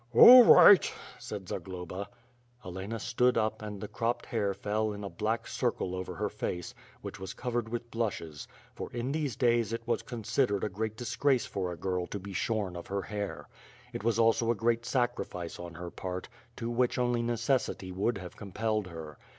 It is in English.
"All right," said Zagloba. Helena stood up and the cropped hair fell in a black circle 26o WITH FIRE AND SWORD. over her face, which was covered with blushes, for, in those days, it was considered a great disgrace for a girl to be shorn of her hair. It was also a great sacrifice on her part, to which only necessity would have compelled her.